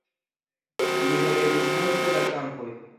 Li heredis multe da kampoj.